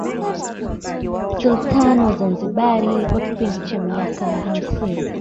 Sultani wa Zanzibar kwa kipindi cha miaka hamsini